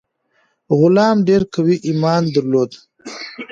غلام ډیر قوي ایمان درلود.